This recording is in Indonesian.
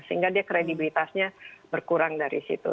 sehingga dia kredibilitasnya berkurang dari situ